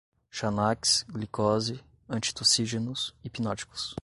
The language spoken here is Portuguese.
xanax, glicose, antitussígenos, hipnóticos